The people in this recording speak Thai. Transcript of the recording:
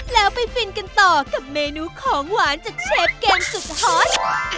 แล้วไปฟินกันต่อกับเมนูของหวานจากเชฟเกมสุดฮอต